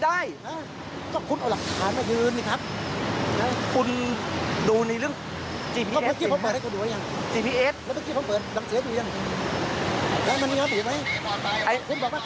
ไอ้คุณบอกว่าการร้อยไหม